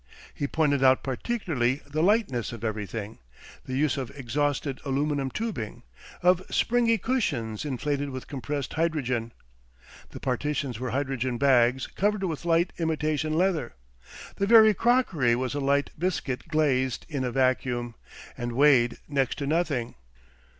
He pointed out particularly the lightness of everything, the use of exhausted aluminium tubing, of springy cushions inflated with compressed hydrogen; the partitions were hydrogen bags covered with light imitation leather, the very crockery was a light biscuit glazed in a vacuum, and weighed next to nothing.